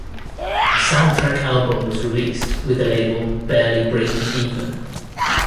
A soundtrack album was released with the label Barely Breaking Even.